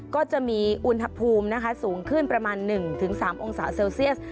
ก็จะมีอุณหภูมินะคะสูงขึ้นประมาณ๑๓องศาเซลเซียส